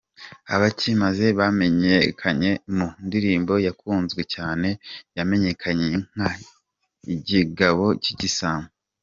Abakimaze bamenyekanye mu ndirimbo yakunzwe cyane yamenyekanye nka “Ikigabo cy’igisambo”.